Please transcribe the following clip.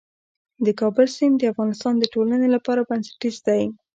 د کابل سیند د افغانستان د ټولنې لپاره بنسټيز دی.